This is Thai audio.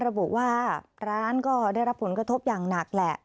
ระบุว่าร้านก็ได้รับผลกระทบอย่างหนักแหละ